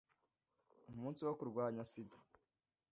umunsi wo kurwanya sida